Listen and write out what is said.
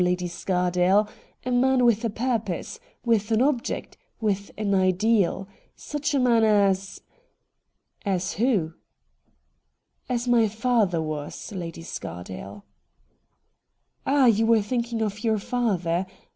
Lady Scardale ; a man with a purpose, with an object, with an ideal. Such a man as '' As who ?'' As my father was, Lady Scardale.' FIDELIA LOCKE 137 'Ah, you were thinking of your father.